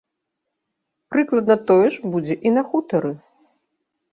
Прыкладна тое ж будзе і на хутары.